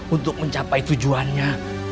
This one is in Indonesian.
untuk mencapai tujuannya